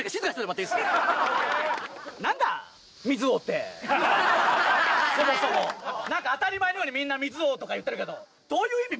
テーマ変えろ何か当たり前のようにみんな水王とか言ってるけどどういう意味？